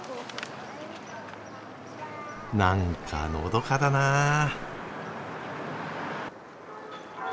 なんかのどかだなぁ。